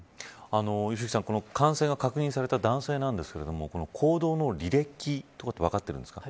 良幸さん、感染が確認された男性なんですが行動の履歴とかって分かっているんですか。